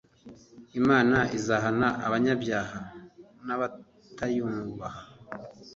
Imana izahana abanyabyaha nabatayubaha